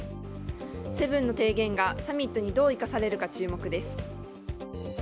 ７の提言がサミットにどう生かされるか注目です。